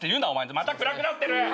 また暗くなってる！